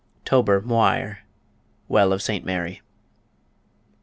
] TOBER MHUIRE. (WELL OF ST MARY.)